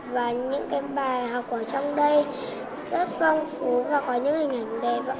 và những bài học ở trong đây rất phong phú và có những hình ảnh đẹp